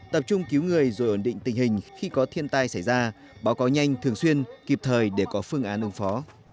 tập trung cứu người rồi ổn định tình hình khi có thiên tai xảy ra báo cáo nhanh thường xuyên kịp thời để có phương án ứng phó